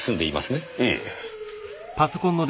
ええ。